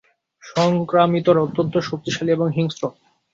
সংক্রামিতরা অত্যন্ত শক্তিশালী এবং হিংস্র।